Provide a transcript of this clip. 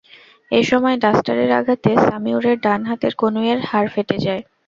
এ সময় ডাস্টারের আঘাতে সামিউরের ডান হাতের কনুইয়ের হাড় ফেটে যায়।